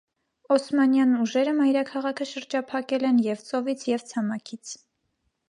Օսմանյան ուժերը մայրաքաղաքը շրջափակել են և ծովից, և ցամաքից։